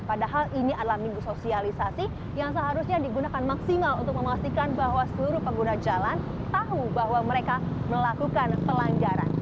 padahal ini adalah minggu sosialisasi yang seharusnya digunakan maksimal untuk memastikan bahwa seluruh pengguna jalan tahu bahwa mereka melakukan pelanggaran